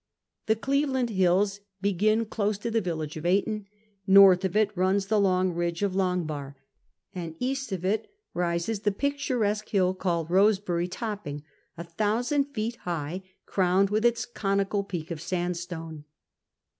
The Cleveland Hills begin close to the village of Ayton. North of it runs the long ridge of Langbargh, and east of it rises the picturesque hill called lioseberry Topping, a thousand feet high, crowned with its conical peak of sandstone.